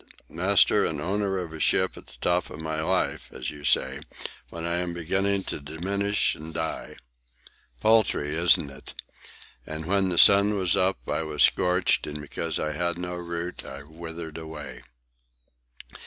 Master and owner of a ship at the top of my life, as you say, when I am beginning to diminish and die. Paltry, isn't it? And when the sun was up I was scorched, and because I had no root I withered away."